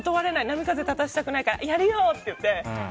波風立たせたくないからやるよって言って。